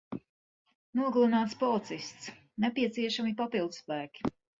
Nogalināts policists. Nepieciešami papildspēki.